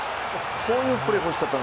こういうプレーが欲しかった。